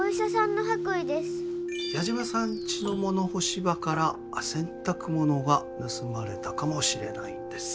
矢島さんちの物干し場から洗濯物が盗まれたかもしれないんです。